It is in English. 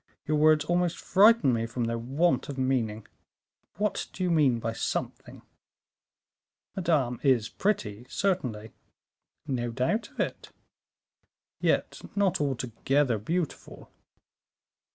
Your words almost frighten me, from their want of meaning. What do you mean by 'something?'" "Madame is pretty, certainly." "No doubt of it." "Yet not altogether beautiful."